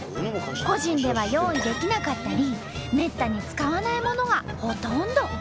個人では用意できなかったりめったに使わないものがほとんど。